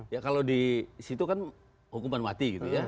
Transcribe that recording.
ya kalau di situ kan hukuman mati gitu ya